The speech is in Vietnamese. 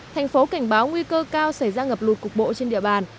thành phố cảnh báo nguy cơ cao xảy ra ngập lụt cục bộ trên địa bàn